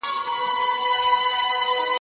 زه اوږده وخت د ښوونځي کتابونه مطالعه کوم!